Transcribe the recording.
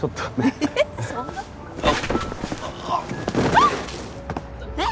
あっえっ？